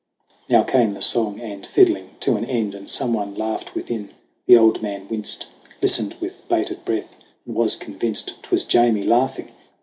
Now came the song and fiddling to an end, And someone laughed within. The old man winced, Listened with bated breath, and was convinced 'Twas Jamie laughing